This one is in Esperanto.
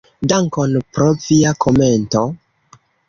Dankon pro via komento.